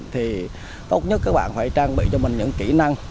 thì tốt nhất các bạn phải trang bị cho mình những kỹ năng